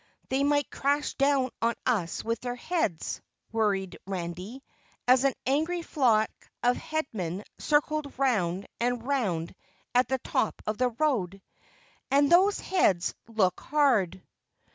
"They might crash down on us with their heads," worried Randy, as an angry flock of Headmen circled round and round at the top of the road, "and those heads look hard."